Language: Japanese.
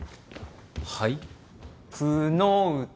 はい？